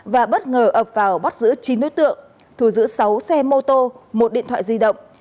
và bất ngờ ập vào bắt giữ chín đối tượng thù giữ sáu xe mô tô một điện thoại di động